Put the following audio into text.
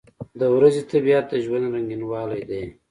• د ورځې طبیعت د ژوند رنګینوالی دی.